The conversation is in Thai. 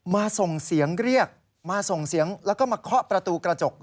ส่งเสียงเรียกมาส่งเสียงแล้วก็มาเคาะประตูกระจก